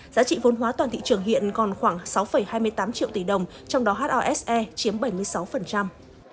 giá trị vốn hóa toàn thị trường hiện còn khoảng sáu hai mươi tám triệu tỷ đồng trong đó hose chiếm bảy mươi sáu